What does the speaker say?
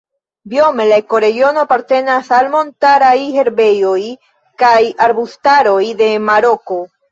Biome la ekoregiono apartenas al montaraj herbejoj kaj arbustaroj de Maroko.